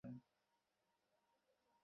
রাহুল, নাম তো শুনেছই।